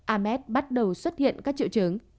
ahmed bắt đầu xuất hiện các triệu chứng